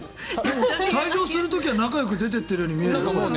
退場する時は仲よく出ていってるように見えるけどね。